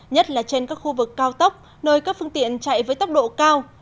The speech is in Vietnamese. nhất là trên các khu vực cao tốc nơi các phương tiện chạy với tốc độ cao